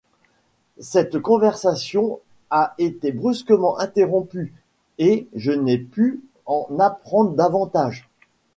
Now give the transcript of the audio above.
Cette conversation a été brusquement interrompue, et je n’ai pu en apprendre davantage.